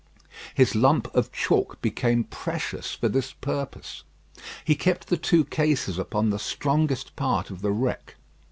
His lump of chalk became precious for this purpose. He kept the two cases upon the strongest part of the wreck.